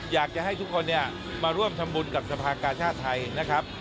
อยากจะให้ทุกคนเนี่ยมาร่วมทำบุญกับสภากาชาติไทยนะครับ